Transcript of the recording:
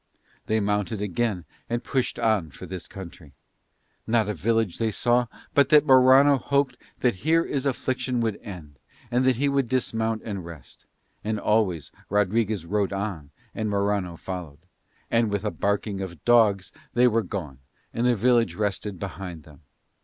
They mounted again and pushed on for this country. Not a village they saw but that Morano hoped that here his affliction would end and that he would dismount and rest; and always Rodriguez rode on and Morano followed, and with a barking of dogs they were gone and the village rested behind them.